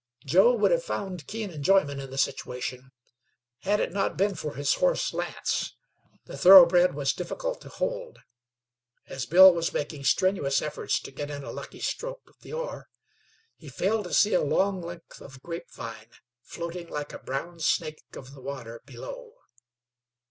Joe would have found keen enjoyment in the situation, had it not been for his horse, Lance. The thoroughbred was difficult to hold. As Bill was making strenuous efforts to get in a lucky stroke of the oar, he failed to see a long length of grapevine floating like a brown snake of the water below.